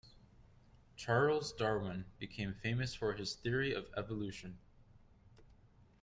Charles Darwin became famous for his theory of evolution.